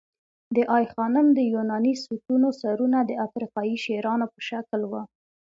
د آی خانم د یوناني ستونو سرونه د افریقايي شیرانو په شکل وو